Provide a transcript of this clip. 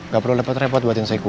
gak perlu lepet lepet buatin cewek